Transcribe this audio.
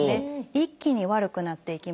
一気に悪くなっていきます。